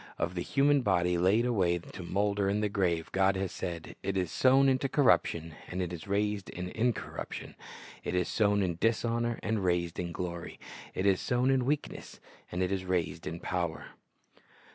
Of the human body laid away to molder in the grave God has said, "It is sown in corruption; it is raised in incorruption : it is sown in dishonor; it is raised in glory: it is sown in weakness; it is raised in power."'